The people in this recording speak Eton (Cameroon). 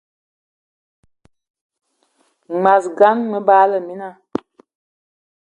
Mas gan, me bagla mina